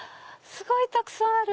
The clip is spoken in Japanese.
すごいたくさんある！